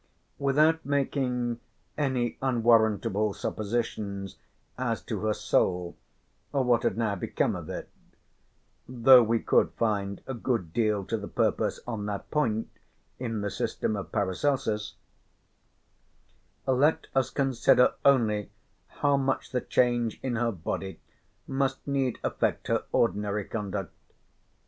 Without making any unwarrantable suppositions as to her soul or what had now become of it (though we could find a good deal to the purpose on that point in the system of Paracelsus), let us consider only how much the change in her body must needs affect her ordinary conduct.